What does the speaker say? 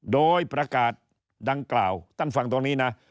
โดยประกาศดังกล่าวท่านฟังตรงนี้นะ